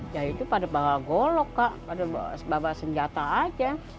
ya itu pada bawa golok kak pada bawa senjata aja